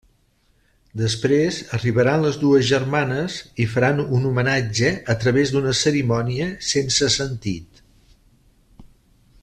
Després arribaran les dues germanes i faran un homenatge a través d'una cerimònia sense sentit.